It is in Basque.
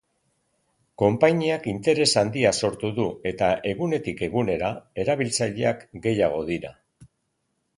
Konpainiak interes handia sortu du eta egunetik egunera, erabiltzaileak gehiago dira.